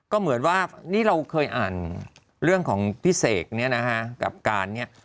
ก็เหมือนว่านี่เราเคยอ่านเรื่องของพี่เสกเนี่ยนะฮะกับการเนี่ย